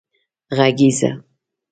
غږېږه